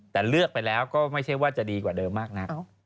แต่เลือกไปแล้วก็ไม่ใช่ว่าจะดีกว่าเดิมมากนัก